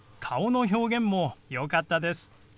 顔の表現もよかったです。